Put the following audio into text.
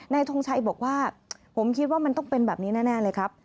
ทงชัยบอกว่าผมคิดว่ามันต้องเป็นแบบนี้แน่เลยครับ